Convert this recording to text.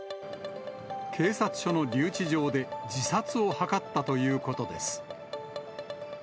警察署の留置場で自殺を図ったということです。